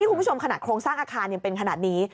คุณผู้ชมขนาดโครงสร้างอาคารยังเป็นขนาดนี้